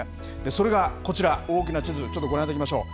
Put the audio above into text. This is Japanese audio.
それがこちら、大きな地図、ちょっとご覧いただきましょう。